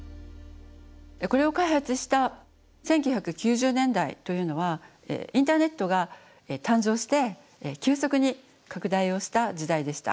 これを開発した１９９０年代というのはインターネットが誕生して急速に拡大をした時代でした。